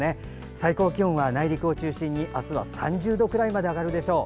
最高気温は内陸を中心に明日は３０度くらいまで上がるでしょう。